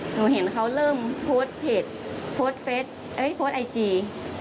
หนูเห็นเขาเริ่มโพสต์เพจโพสต์ไอจี